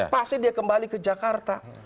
pasti dia kembali ke jakarta